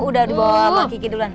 udah dibawa sama kiki duluan